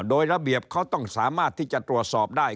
โดยระเบียบเขาต้องสามารถที่จะตรวจสอบได้